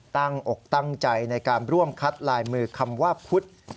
อกตั้งใจในการร่วมคัดลายมือคำว่าพุทธ